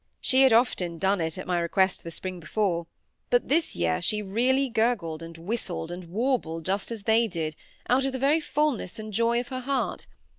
She had often done it at my request the spring before; but this year she really gurgled, and whistled, and warbled just as they did, out of the very fulness and joy of her heart.